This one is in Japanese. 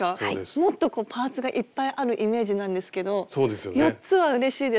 もっとパーツがいっぱいあるイメージなんですけど４つはうれしいですね。